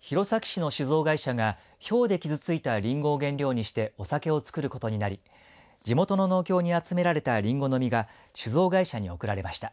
弘前市の酒造会社がひょうで傷ついたりんごを原料にしてお酒を造ることになり地元の農協に集められたりんごの実が酒造会社に送られました。